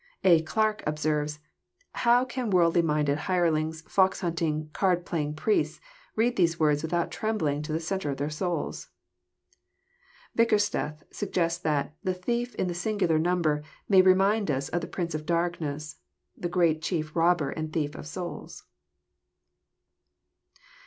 A. Clarke observes :" How can worldly minded hirelings, fox hunting, card playing priests, read these words without trembling to the centre of their souls?" Bickersteth suggests that << the thief in the singular number may remind us of the prince of darkness, the great chief robber and thief of souls."